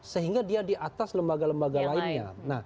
sehingga dia di atas lembaga lembaga lainnya